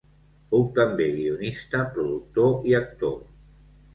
Fou també guionista, productor i actor.